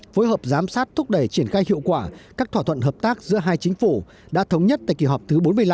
phối hợp giám sát thúc đẩy triển khai hiệu quả các thỏa thuận hợp tác giữa hai chính phủ đã thống nhất tại kỳ họp thứ bốn mươi năm